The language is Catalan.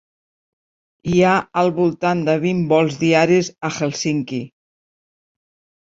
Hi ha al voltant de vint vols diaris a Hèlsinki.